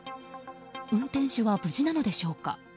運転手は無事なのでしょうか。